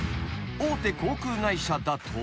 ［大手航空会社だと］